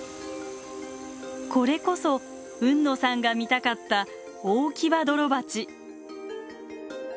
これこそ海野さんが見たかったオオキバドロバチ。